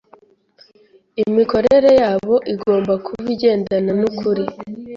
Imikorere yabo igomba kuba igendana n’ukuri